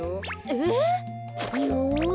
えっ！よし。